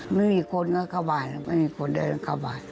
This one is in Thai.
ไม่มีคนก็เข้าบ้านไม่มีคนเดินเข้าบ้าน